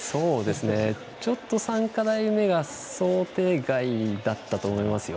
ちょっと３課題目が想定外だったと思いますよ。